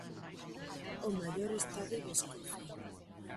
O maior estadio de Escocia.